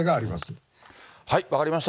分かりました。